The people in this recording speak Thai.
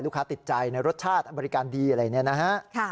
ลูกค้าติดใจในรสชาติบริการดีอะไรอย่างนี้นะฮะ